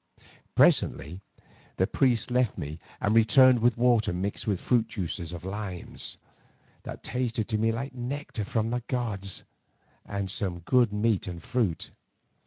Presently the priest left me and returned with water mixed with the juice of limes, that tasted to me like nectar from the gods, and some good meat and fruit.